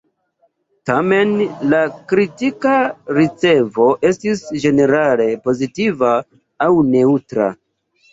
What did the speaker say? Tamen, la kritika ricevo estis ĝenerale pozitiva aŭ neŭtra.